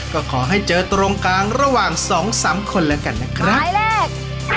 ก็ขอให้เจอตรงกลางระหว่าง๒๓คนละกันนะครับ